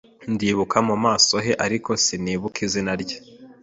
Ndibuka mu maso he, ariko sinibuka izina rye.